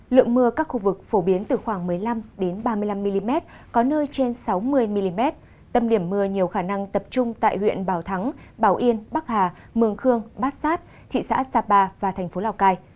lượng mưa các khu vực phổ biến từ khoảng một mươi năm ba mươi năm mm có nơi trên sáu mươi mm tâm điểm mưa nhiều khả năng tập trung tại huyện bảo thắng bảo yên bắc hà mường khương bát sát thị xã sapa và thành phố lào cai